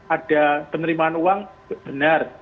ada penerimaan uang benar